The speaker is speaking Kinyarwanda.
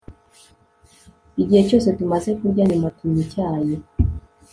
igihe cyose tumaze kurya nyuma tunywa icyayi